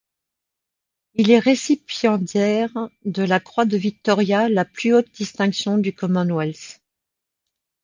Il est récipiendaire de la croix de Victoria, la plus haute distinction du Commonwealth.